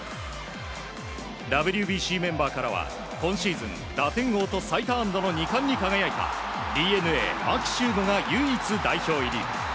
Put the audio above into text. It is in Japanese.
ＷＢＣメンバーからは今シーズン打点王と最多安打の２冠に輝いたＤｅＮＡ牧秀悟が唯一代表入り。